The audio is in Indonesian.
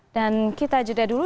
dan kita juda dulu